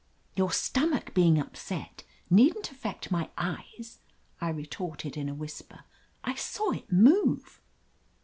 "Your stomach being upset needn't affect my eyes," I retorted in a whisper. "I saw it move."